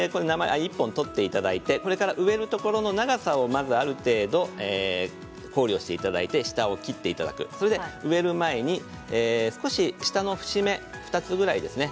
１本取っていただいて植えるところの長さをまずある程度考慮していただいて下を切っていただく植える前に少し下の節目２つぐらいですね。